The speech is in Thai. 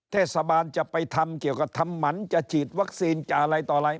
เทศบาลจะไปทำเกี่ยวกับทำหมันจะฉีดวัคซีนจะอะไรต่ออะไร